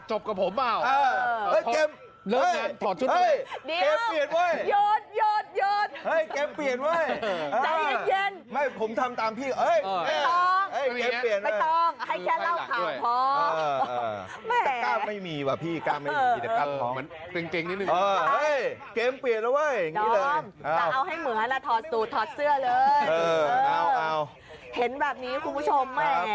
เห็นแบบนี้คุณผู้ชม